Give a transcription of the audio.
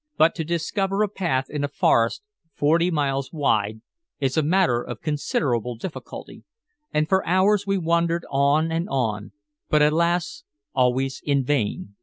But to discover a path in a forest forty miles wide is a matter of considerable difficulty, and for hours we wandered on and on, but alas! always in vain.